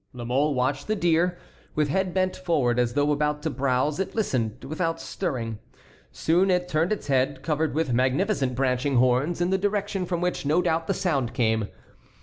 La Mole watched the deer. With head bent forward as though about to browse it listened without stirring. Soon it turned its head, covered with magnificent branching horns, in the direction from which no doubt the sound came.